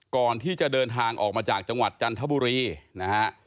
ก่อนที่จะเดินทางออกมาจากจังหวัดจันทบุรีนะฮะ